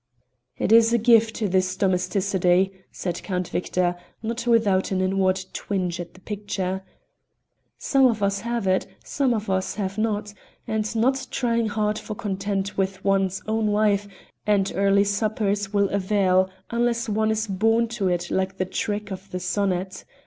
"It is a gift, this domesticity," said Count Victor, not without an inward twinge at the picture. "Some of us have it, some of us have not, and no trying hard for content with one's own wife and early suppers will avail unless one is born to it like the trick of the Sonnet.